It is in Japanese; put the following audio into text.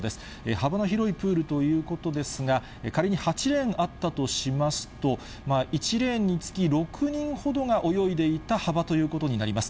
幅の広いプールということですが、仮に８レーンあったとしますと、１レーンにつき６人ほどが泳いでいた幅ということになります。